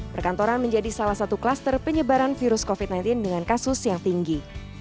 perkantoran menjadi salah satu kluster penyebaran virus covid sembilan belas dengan kasus yang tinggi